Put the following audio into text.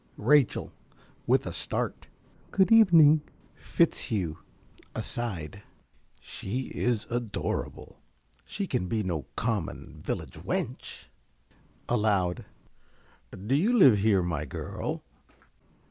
~Rachel~ (with a start). Good evening. ~Fitzhugh~ (aside). She is adorable. She can be no common village wench. (Aloud.) Do you live here, my girl?